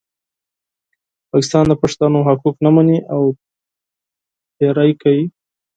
پاکستان د پښتنو حقوق نه مني او تېری کوي.